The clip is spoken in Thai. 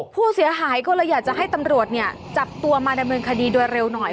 ผู้เสียหายก็เลยอยากจะให้ตำรวจเนี่ยจับตัวมาดำเนินคดีโดยเร็วหน่อย